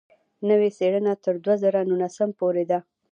نوې څېړنه تر دوه زره نولسم پورې ده.